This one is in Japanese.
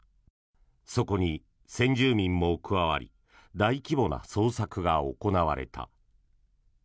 そこに先住民も加わり大規模な捜索が行われた。